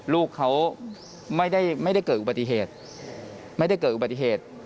ลูกเขาไม่ได้เกิดอุบัติเหตุ